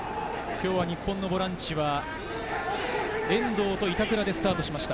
日本のボランチは、遠藤と板倉でスタートしました。